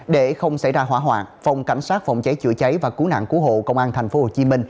để không xảy ra hỏa hoạn phòng cảnh sát phòng cháy chữa cháy và cứu nạn cứu hộ công an tp hcm